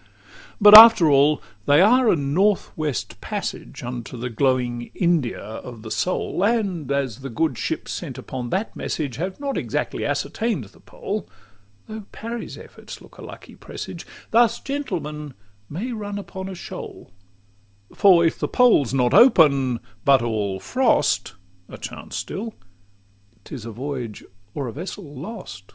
XXXIX But after all they are a North West Passage Unto the glowing India of the soul; And as the good ships sent upon that message Have not exactly ascertain'd the Pole (Though Parry's efforts look a lucky presage), Thus gentlemen may run upon a shoal; For if the Pole's not open, but all frost (A chance still), 't is a voyage or vessel lost.